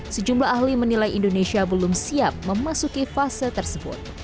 sejumlah ahli menilai indonesia belum siap memasuki fase tersebut